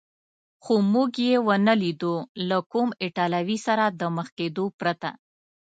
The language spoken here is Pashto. خو موږ یې و نه لیدو، له کوم ایټالوي سره د مخ کېدو پرته.